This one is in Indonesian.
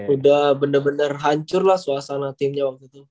udah bener bener hancur lah suasana timnya waktu itu